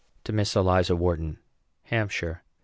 TO MISS ELIZA WHARTON. HAMPSHIRE.